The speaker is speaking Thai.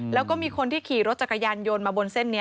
แล้วก็มีคนที่ขี่รถจักรยานยนต์มาบนเส้นนี้